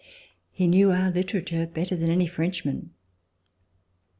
He knew our literature better than any Frenchman.